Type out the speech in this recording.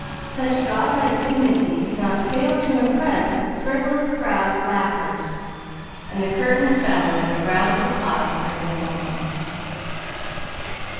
Such god like dignity could not fail to impress the frivolous crowd of laughers, and the curtain fell amid a round of applause for him alone.